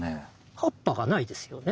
葉っぱがないですよね。